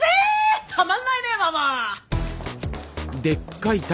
たまんないねえママ。